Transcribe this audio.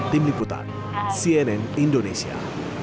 tim liputan cnn indonesia